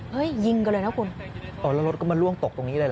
ยิงกันเลยนะคุณอ๋อแล้วรถก็มาล่วงตกตรงนี้เลยเห